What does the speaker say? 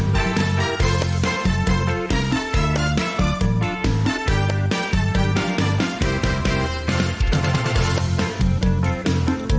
โปรดติดตามตอนต่อไป